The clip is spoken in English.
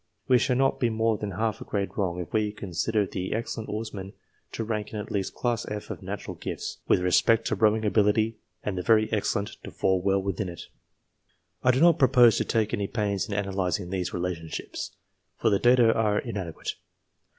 We shall not be more than half a grade wrong if we consider the " excellent " oarsmen to rank in at least Class F of natural gifts, with respect to rowing ability, and the " very excellent " to fall well within it. I do not propose to take any pains in analysing these relationships, for the data are inadequate.